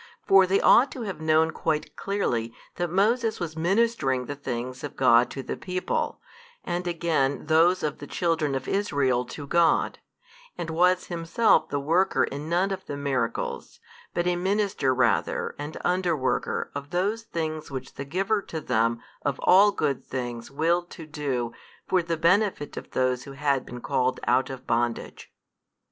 For they ought to have known quite clearly that Moses was ministering the things of God to the people, and again those of the children of Israel to God, and was himself the worker in none of the miracles, but a minister rather and under worker of those things which the Giver to them of all good things willed to do for the benefit of those who had been called out of bondage.